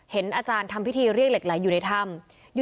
อาจารย์ทำพิธีเรียกเหล็กไหลอยู่ในถ้ำ